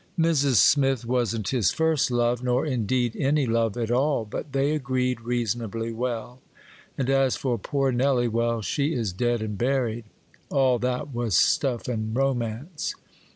Mrs. Smith wasn't his first love, nor, indeed, any love at all; but they agreed reasonably well. And as for poor Nellie,—well, she is dead and buried,—all that was stuff and romance.